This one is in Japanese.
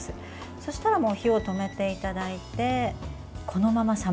そうしたら火を止めていただいてこのまま冷ます。